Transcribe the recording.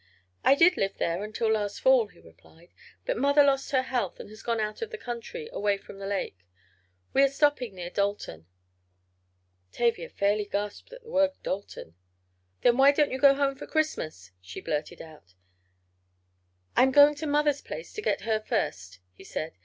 "I did live there until last Fall," he replied. "But mother lost her health, and has gone out in the country, away from the lake. We are stopping near Dalton." Tavia fairly gasped at the word "Dalton." "Then why don't you go home for Christmas?" she blurted out. "I am going to mother's place to get her first," he said.